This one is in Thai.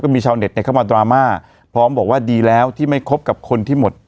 มีชาวเน็ตเข้ามาดราม่าพร้อมบอกว่าดีแล้วที่ไม่คบกับคนที่หมด